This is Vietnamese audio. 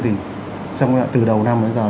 thì từ đầu năm đến giờ